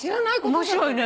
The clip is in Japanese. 面白いね。